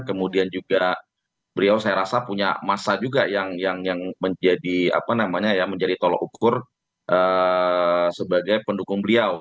kemudian juga beliau saya rasa punya masa juga yang menjadi tolok ukur sebagai pendukung beliau